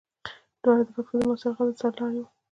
دواړه د پښتو د معاصر غزل سرلاري وو.